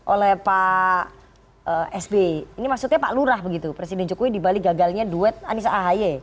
oleh pak sb ini maksudnya pak lurah begitu presiden jokowi di bali gagalnya duet anissa ahy